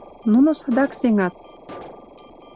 Нуно садак сеҥат.